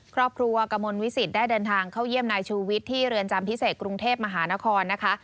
กระมวลวิสิตได้เดินทางเข้าเยี่ยมนายชูวิทย์ที่เรือนจำพิเศษกรุงเทพมหานครนะคะ